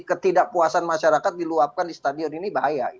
ketidakpuasan masyarakat diluapkan di stadion ini bahaya